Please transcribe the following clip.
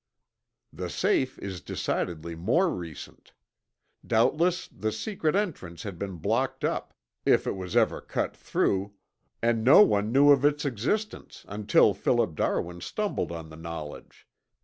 "The safe is decidedly more recent. Doubtless the secret entrance had been blocked up, if it was ever cut through, and no one knew of its existence until Philip Darwin stumbled on the knowledge.